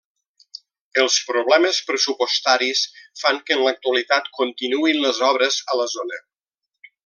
Els problemes pressupostaris fan que en l'actualitat continuïn les obres a la zona.